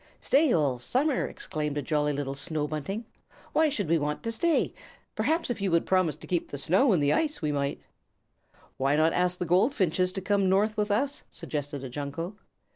"Stay all summer!" exclaimed a jolly little Snow Bunting. "Why should we want to stay? Perhaps if you would promise to keep the snow and ice we might." "Why not ask the Goldfinches to come north with us?" suggested a Junco.